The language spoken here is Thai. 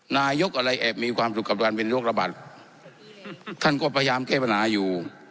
นายกอะไรแอบมีความสุขกับการเป็นโรคระบาดท่านก็พยายามแก้ปัญหาอยู่